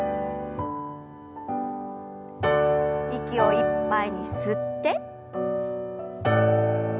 息をいっぱいに吸って。